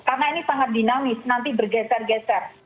karena ini sangat dinamis nanti bergeser geser